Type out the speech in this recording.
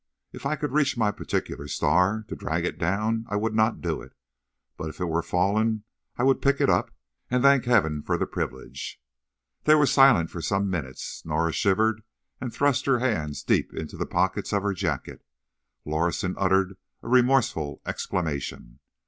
If I could reach my particular star, to drag it down, I would not do it; but if it were fallen, I would pick it up, and thank Heaven for the privilege." They were silent for some minutes. Norah shivered, and thrust her hands deep into the pockets of her jacket. Lorison uttered a remorseful exclamation.